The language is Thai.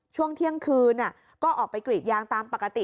ช่วงเที่ยงคืนก็ออกไปกรีดยางตามปกติ